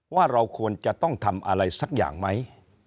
ว่าเราควรจะต้องทำอะไรสักอย่างไหม